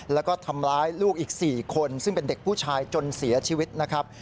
แล้วก็ทำร้ายลูกอีก๔คนซึ่งเป็นเด็กผู้ชายจนเสียชีวิตนะครับ